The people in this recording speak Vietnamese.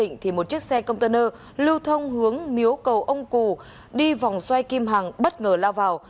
một chiếc xe container lưu thông hướng miếu cầu ông cù đi vòng xoay kim hàng bất ngờ lao vào